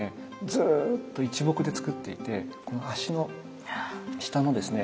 ずっと一木でつくっていてこの足の下のですね